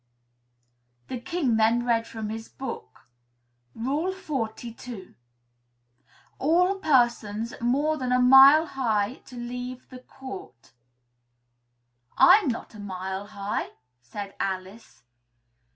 The King then read from his book: "Rule forty two. All persons more than a mile high to leave the court." "I'm not a mile high," said Alice.